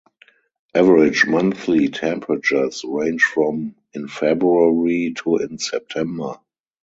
Average monthly temperatures range from in February to in September.